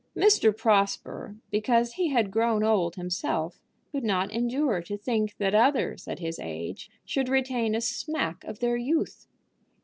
Mr. Prosper, because he had grown old himself, could not endure to think that others, at his age, should retain a smack of their youth.